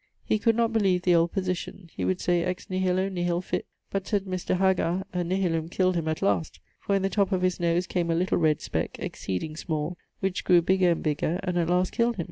He could not beleeve the old position; he would say ex nihilo nihil fit. But sayd Mr. Haggar, a nihilum killed him at last: for in the top of his nose came a little red speck (exceeding small), which grew bigger and bigger, and at last killed him.